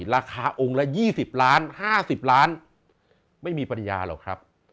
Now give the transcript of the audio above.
ราคาองค์ละยี่สิบล้านห้าสิบล้านไม่มีปัญญาหรอกครับ